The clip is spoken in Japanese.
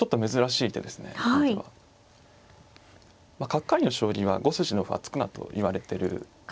「角換わりの将棋は５筋の歩は突くな」といわれてる。